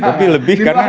tapi lebih karena